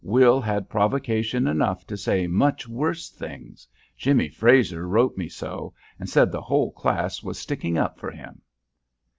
"Will had provocation enough to say much worse things; Jimmy Frazer wrote me so, and said the whole class was sticking up for him."